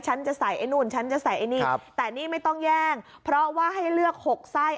ฉันจะใส่ไอ้นู่นฉันจะใส่ไอ้นี่แต่นี่ไม่ต้องแย่งเพราะว่าให้เลือก๖ไส้